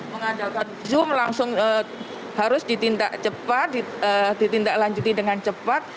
mengadakan zoom langsung harus ditindak cepat ditindak lanjuti dengan cepat